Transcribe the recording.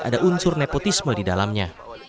ada unsur nepotisme di dalamnya